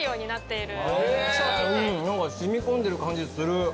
何か染み込んでる感じする。